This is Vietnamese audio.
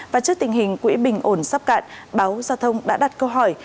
và trước tình hình quỹ bình ổn sắp cạn báo giao thông đã đặt câu hỏi